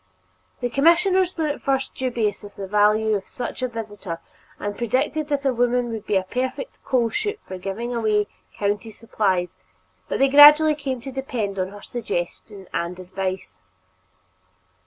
The commissioners were at first dubious of the value of such a visitor and predicted that a woman would be a perfect "coal chute" for giving away county supplies, but they gradually came to depend upon her suggestion and advice.